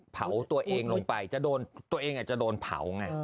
เผาตัวเองลงไปจะโดนตัวเองจะโดนเผาไง